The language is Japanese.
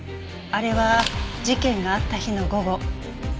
あれは事件があった日の午後。